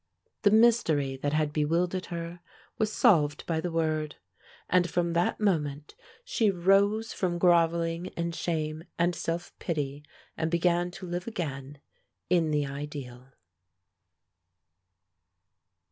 The mystery that had bewildered her was solved by the word; and from that moment she rose from grovelling in shame and self pity, and began to live again in the ideal.